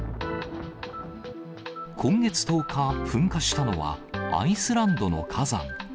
今月１０日、噴火したのは、アイスランドの火山。